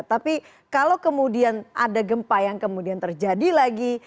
tapi kalau kemudian ada gempa yang kemudian terjadi lagi